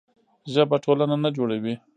ژبه ټولنه نه جوړوي.